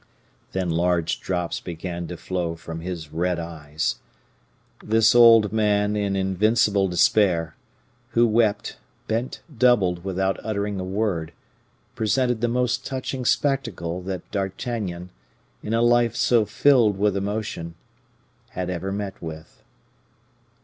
Then large drops began to flow from his red eyes. This old man in invincible despair, who wept, bent doubled without uttering a word, presented the most touching spectacle that D'Artagnan, in a life so filled with emotion, had ever met with.